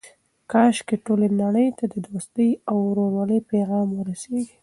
کاشکې ټولې نړۍ ته د دوستۍ او ورورولۍ پیغام ورسیږي.